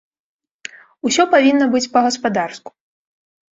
Усё павінна быць па-гаспадарску.